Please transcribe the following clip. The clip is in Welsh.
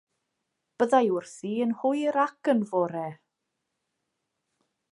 Byddai wrthi yn hwyr ac yn fore.